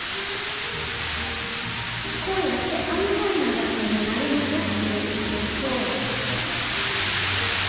こうやって編みたい長さになるまで編んでいきましょう。